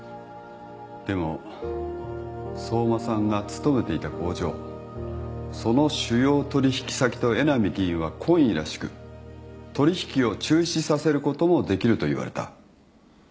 でも相馬さんが勤めていた工場その主要取引先と江波議員は懇意らしく取引を中止させることもできると言われた。